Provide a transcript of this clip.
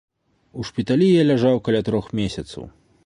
У шпіталі я ляжаў каля трох месяцаў.